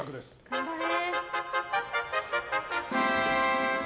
頑張れ！